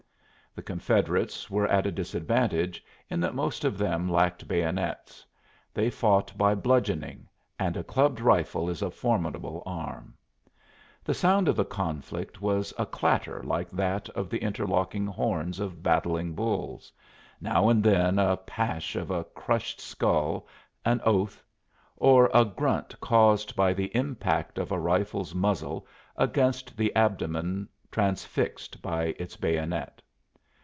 The Confederates were at a disadvantage in that most of them lacked bayonets; they fought by bludgeoning and a clubbed rifle is a formidable arm. The sound of the conflict was a clatter like that of the interlocking horns of battling bulls now and then the pash of a crushed skull, an oath, or a grunt caused by the impact of a rifle's muzzle against the abdomen transfixed by its bayonet.